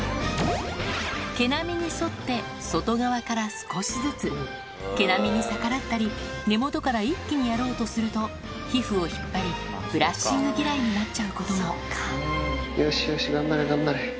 少しずつ毛並みに逆らったり根元から一気にやろうとすると皮膚を引っ張りブラッシング嫌いになっちゃうこともよしよし頑張れ頑張れ。